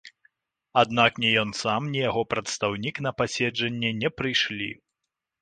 Аднак ні ён сам, ні яго прадстаўнік на пасяджэнні не прыйшлі.